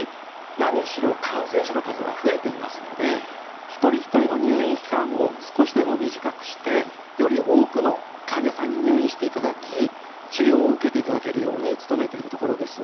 なにしろ感染者の数が増えていますので一人ひとりの入院期間を少しでも短くしてより多くの患者さんに入院していただき治療を受けていただけるように努めているところです。